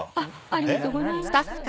ありがとうございます。